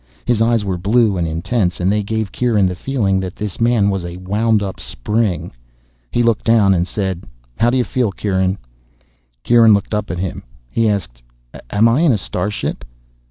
His eyes were blue and intense, and they gave Kieran the feeling that this man was a wound up spring. He looked down and said, "How do you feel, Kieran?" Kieran looked up at him. He asked, "Am I in a starship?"